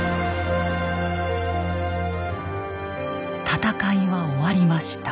戦いは終わりました。